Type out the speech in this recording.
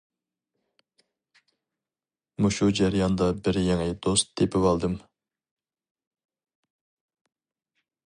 مۇشۇ جەرياندا بىر يېڭى دوست تېپىۋالدىم.